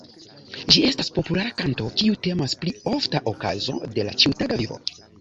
Ĝi estas populara kanto kiu temas pri ofta okazo de la ĉiutaga vivo.